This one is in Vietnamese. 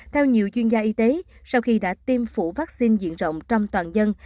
theo nhiều chuyên gia y tế sau khi đã tiêm phủ vaccine diện rộng trong toàn dân